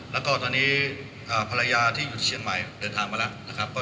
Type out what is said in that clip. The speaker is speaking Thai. และตอนนี้ภรรยาที่หยุดเชียงใหม่เดินทางมาแล้ว